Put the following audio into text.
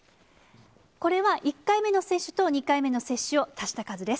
これは、１回目の接種と２回目の接種を足した数です。